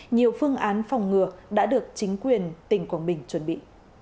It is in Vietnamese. nhiều phương án phòng ngừa đã được chính quyền tỉnh quảng bình chuẩn bị